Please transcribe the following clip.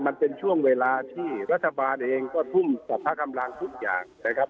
มันเป็นช่วงเวลาที่รัฐบาลเองก็ทุ่มสรรพกำลังทุกอย่างนะครับ